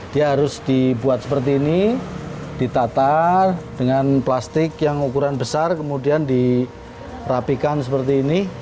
dia harus dibuat seperti ini ditatar dengan plastik yang ukuran besar kemudian dirapikan seperti ini